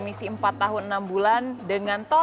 jatian epa jayante